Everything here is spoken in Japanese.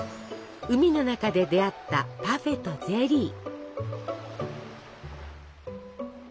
海の中で出会ったパフェとゼリー！